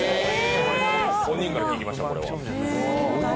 本人から聞きました。